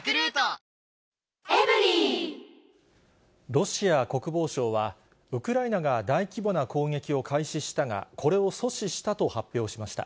ロシア国防省は、ウクライナが大規模な攻撃を開始したが、これを阻止したと発表しました。